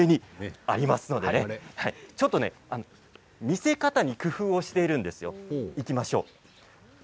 ちょっと見せ方に工夫をしているんですよ。いきましょう。